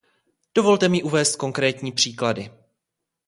Dovolte mi uvést konkrétní příklady.